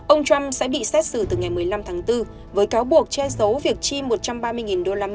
ông trump sẽ bị xét xử từ ngày một mươi năm tháng bốn với cáo buộc che giấu việc chi một trăm ba mươi usd